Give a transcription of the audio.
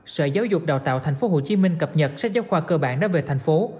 sở giáo dục đào tạo tp hcm cập nhật sách giáo khoa cơ bản đã về thành phố